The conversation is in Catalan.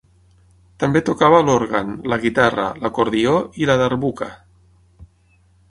També tocava l'òrgan, la guitarra, l'acordió i la darbuka.